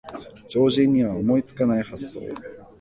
常人には思いつかない発想